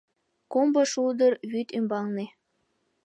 Комбо шулдыр вӱд ӱмбалне